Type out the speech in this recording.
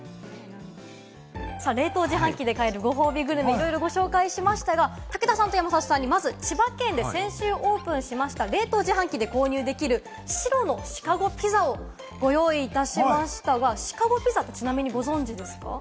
冷凍自販機で買えるご褒美グルメ、いろいろご紹介しましたが、武田さんと山里さんに、まず千葉県で先週オープンしました冷凍自販機で購入できる白のシカゴピザをご用意いたしましたが、シカゴピザってちなみにご存じですか？